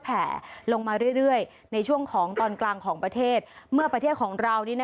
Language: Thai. ฮัลโหลฮัลโหลฮัลโหลฮัลโหลฮัลโหล